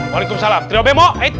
walaikumsalam trio bengok